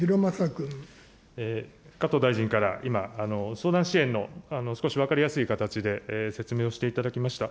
加藤大臣から今、相談支援の少し分かりやすい形で説明をしていただきました。